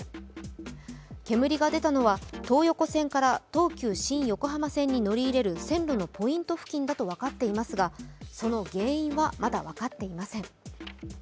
煙が出たのは東横線から東急新横浜線に乗り入れる線路のポイント付近だと分かっていますがその原因はまだ分かっていません。